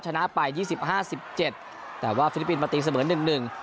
ชนะไปยี่สิบห้าสิบเจ็ดแต่ว่าฟิลิปปินส์มาตีเสมอหนึ่งหนึ่ง